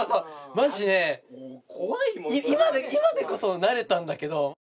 今でこそ慣れたんだけど。